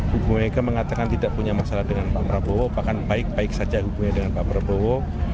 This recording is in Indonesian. bu mega mengatakan tidak punya masalah dengan pak prabowo bahkan baik baik saja hubungannya dengan pak prabowo